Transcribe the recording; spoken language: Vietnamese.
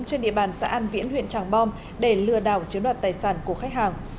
trên địa bàn xã an viễn huyện tràng bom để lừa đảo chiếm đoạt tài sản của khách hàng